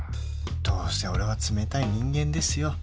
どうせ俺は冷たい人間ですよ。